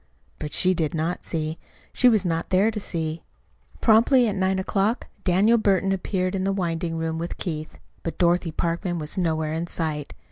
But she did not see. She was not there to see. Promptly at nine o'clock Daniel Burton appeared at the winding room with Keith. But Dorothy Parkman was nowhere in sight.